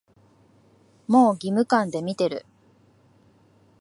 もう義務感で見てる